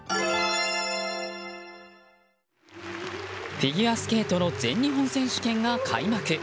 フィギュアスケートの全日本選手権が開幕。